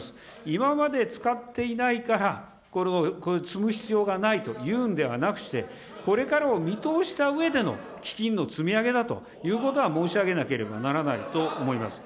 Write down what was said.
今まで使っていないから、これを積む必要がないというんではなくして、これからを見通したうえでの基金の積み上げだということは申し上げなければならないと思います。